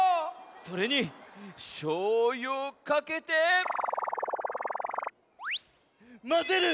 それにしょうゆをかけてまぜる！